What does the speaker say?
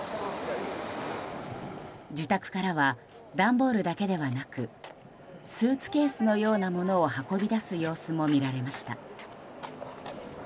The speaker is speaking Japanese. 自宅からは段ボールだけではなくスーツケースのようなものを運び出す様子も見られました。